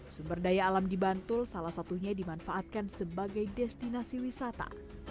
sumber daya alam di bantul salah satunya dimanfaatkan sebagai destinasi wisata